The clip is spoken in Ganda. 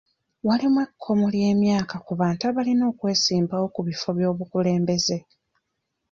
Waliwo ekkomo ly'emyaka ku bantu abalina okwesimbawo ku bifo by'obukulembeze..